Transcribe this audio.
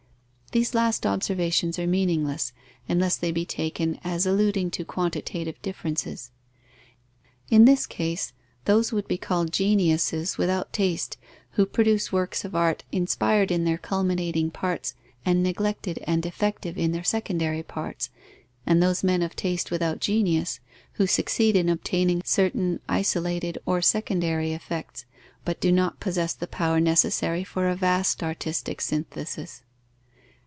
These last observations are meaningless, unless they be taken as alluding to quantitative differences. In this case, those would be called geniuses without taste who produce works of art, inspired in their culminating parts and neglected and defective in their secondary parts, and those men of taste without genius, who succeed in obtaining certain isolated or secondary effects, but do not possess the power necessary for a vast artistic synthesis.